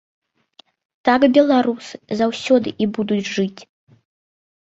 Так беларусы заўсёды і будуць жыць.